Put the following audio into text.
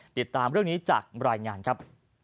ติดตามเรื่องนี้จากรายงานครับ